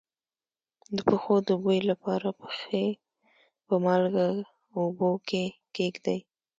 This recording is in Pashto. د پښو د بوی لپاره پښې په مالګه اوبو کې کیږدئ